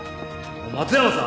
松山さん！